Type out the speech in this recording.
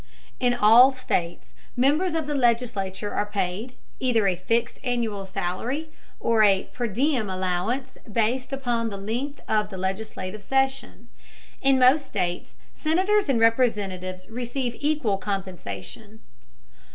In all states, members of the legislature are paid, either a fixed annual salary or a per diem allowance based upon the length of the legislative session. In most states senators and representatives receive equal compensation.